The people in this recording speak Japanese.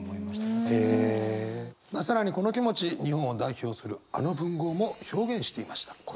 まあ更にこの気持ち日本を代表するあの文豪も表現していました。